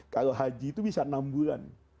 kalau haji itu bisa enam bulan